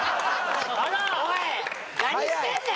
おい何してんねん！